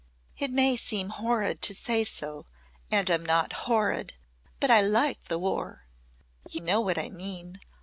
"It may seem horrid to say so and I'm not horrid but I like the war. You know what I mean.